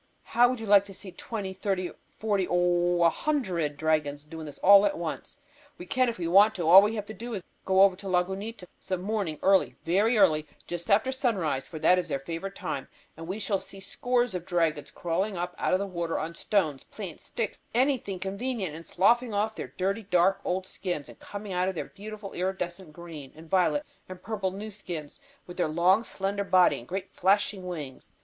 How would you like to see twenty, thirty, forty, oh, a hundred dragons doing this all at once. We can if we want to. All we have to do is to go over to Lagunita some morning early, very early, just a little after sunrise for that is their favorite time and we shall see scores of dragons crawling up out of the water on stones, plants, sticks, anything convenient, and sloughing off their dirty, dark, old skins and coming out in their beautiful iridescent green and violet and purple new skins, with their long slender body and great flashing wings.